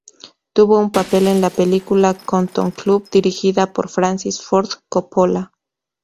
Tuvo un papel en la película "Cotton Club", dirigida por Francis Ford Coppola.